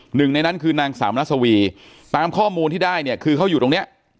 หนึ่งในนั้นคือนางสาวมัสวีตามข้อมูลที่ได้เนี่ยคือเขาอยู่ตรงเนี้ย